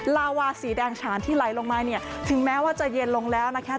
ลาวาสีแดงฉานที่ไหลลงมาเนี่ยถึงแม้ว่าจะเย็นลงแล้วนะคะ